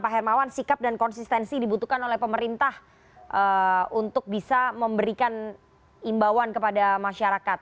pak hermawan sikap dan konsistensi dibutuhkan oleh pemerintah untuk bisa memberikan imbauan kepada masyarakat